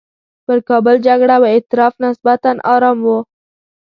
پر کابل جګړه وه اطراف نسبتاً ارام وو.